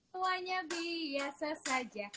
tuanya biasa saja